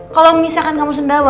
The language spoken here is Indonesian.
kalau misalkan kamu sendawa